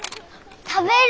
食べる！